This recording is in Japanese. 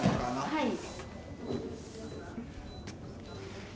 はい。